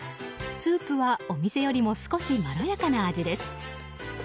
スープはお店よりも少しまろやかな味です。